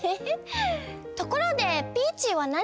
ところでピーチーはなにしにきたの？